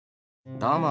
どうも。